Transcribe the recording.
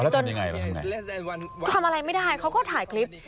ทำอะไรไม่ได้เขาก็ถ่ายคลิป